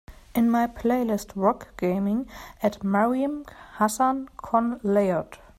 In my playlist Rock Gaming add Mariem Hassan con Leyoad